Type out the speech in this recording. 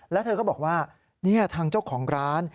แล้วเธอก็บอกว่านี่ทางเจ้าของร้าน